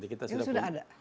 itu sudah ada